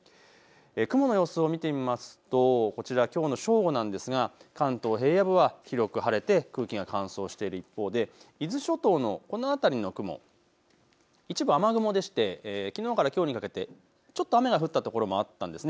雲の様子を見てみますと、こちらきょうの正午なんですが関東平野部は広く晴れて空気が乾燥している一方で伊豆諸島のこの辺りの雲、一部、雨雲でしてきのうからきょうにかけてちょっと雨が降った所もあったんですね。